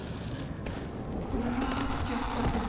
ごめんな付き合わせちゃって。